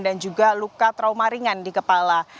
dan juga luka trauma ringan di kepala